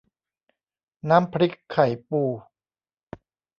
น้ำพริกไข่ปู